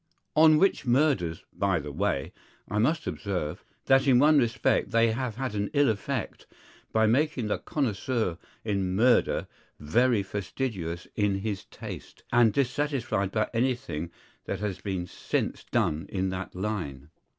On which murders, by the way, I must observe, that in one respect they have had an ill effect, by making the connoisseur in murder very fastidious in his taste, and dissatisfied by anything that has been since done in that line.